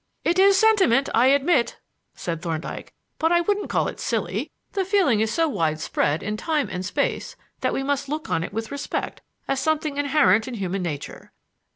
"It is sentiment, I admit," said Thorndyke, "but I wouldn't call it silly. The feeling is so widespread in time and space that we must look on it with respect as something inherent in human nature.